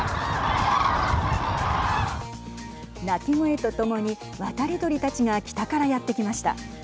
鳴き声とともに渡り鳥たちが北からやって来ました。